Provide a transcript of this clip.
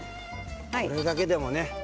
これだけでもね。